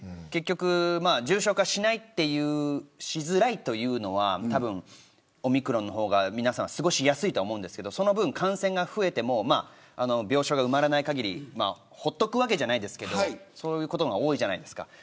結局、重症化しないというしづらいというのはオミクロンの方が、たぶん過ごしやすいと思うんですけどその分感染が増えても病床が埋まらない限りほっとくわけじゃないですけどそういうことが多いじゃないですか。